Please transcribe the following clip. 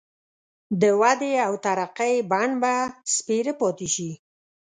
د ودې او ترقۍ بڼ به سپېره پاتي شي.